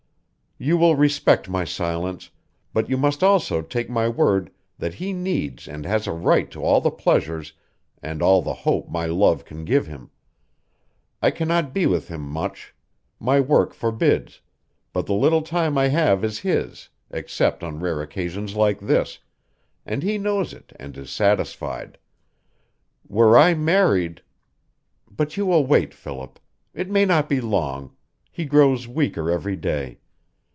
You will respect my silence, but you must also take my word that he needs and has a right to all the pleasure and all the hope my love can give him. I cannot be with him much; my work forbids, but the little time I have is his, except on rare occasions like this, and he knows it and is satisfied. Were I married . But you will wait, Philip. It may not be long he grows weaker every day.